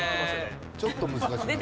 ちょっと難しい。